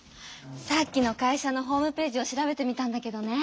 さっきの会社のホームページを調べてみたんだけどね。